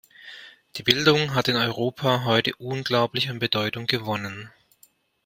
Die Bildung hat in Europa heute unglaublich an Bedeutung gewonnen.